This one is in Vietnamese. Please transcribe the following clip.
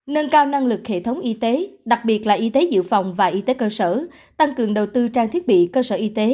nâng cao năng lực hệ thống y tế đặc biệt là y tế dự phòng và y tế cơ sở tăng cường đầu tư trang thiết bị cơ sở y tế